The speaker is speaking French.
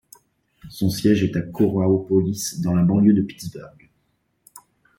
Son siège est à Coraopolis dans la banlieue de Pittsburgh.